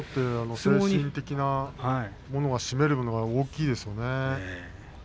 精神的なものが占める割合が大きいですよね。